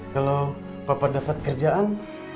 kalau papa dapat kerjaan